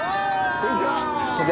こんにちは。